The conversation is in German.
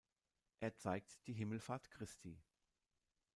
Er zeigt die Himmelfahrt Christi.